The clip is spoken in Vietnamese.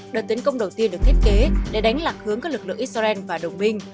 đợt tấn công đầu tiên được thiết kế để đánh lạc hướng các lực lượng israel và đồng minh